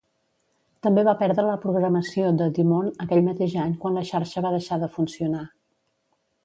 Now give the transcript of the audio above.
També va perdre la programació de DuMont aquell mateix any quan la xarxa va deixar de funcionar.